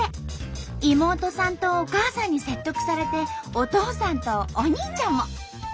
妹さんとお母さんに説得されてお父さんとお兄ちゃんも。